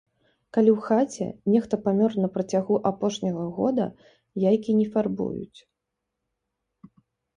Калі ў хаце нехта памёр на працягу апошняга года, яйкі не фарбуюць.